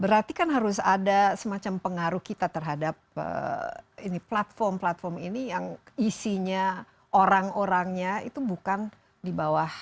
berarti kan harus ada semacam pengaruh kita terhadap platform platform ini yang isinya orang orangnya itu bukan di bawah